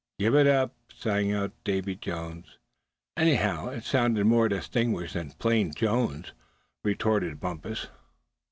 "Give it up," sang out Davy Jones. "Anyhow, it'd sound more distinguished than plain Jones," retorted Bumpus.